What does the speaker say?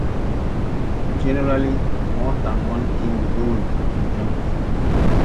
Generally more than one king ruled in Kent.